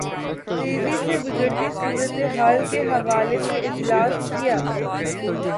تیزی سے بگڑتی صورت حال کے حوالے سے اجلاس کیا